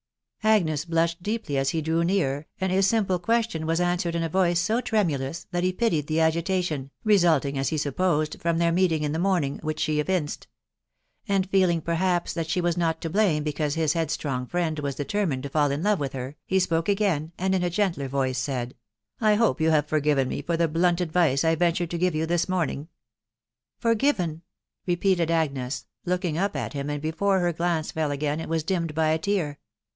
Agnes blushed deeply as he drew near, and his simple ques tion was answered in a voice so tremulous/that he pitied the agitation (resulting, as he supposed, from their meeting in the morning) which she evinced ; and feeling perhaps that she was not to blame because his headstrong friend was determined to fall in love with her, he spoke again, and in a gentler voice said, ee I hope you have forgiven me for the blunt advice I ventured to give you this morning." c< Forgiven !" repeated Agnes, looking up at him, and be fore her glance fell again it was dimmed by a tear.